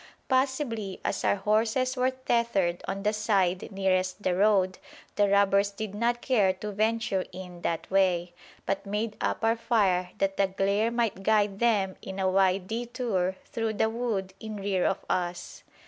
Possibly, as our horses were tethered on the side nearest the road, the robbers did not care to venture in that way, but made up our fire that the glare might guide them in a wide detour through the wood in rear of us.